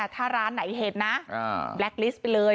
ถ้าร้านไหนเห็นนะแบล็กลิสต์ไปเลย